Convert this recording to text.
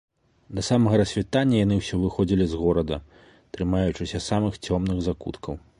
Да самага рассвітання яны ўсё выходзілі з горада, трымаючыся самых цёмных закуткаў.